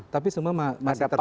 tapi semua masih terjejak jejak